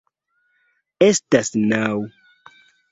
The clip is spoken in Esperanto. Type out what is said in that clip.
Estas naŭ.